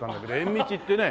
道ってね。